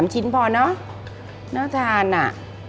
๓ชิ้นพอเนอะน้องทานอะ